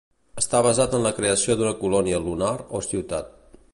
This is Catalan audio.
Està basat en la creació d'una colònia lunar o ciutat.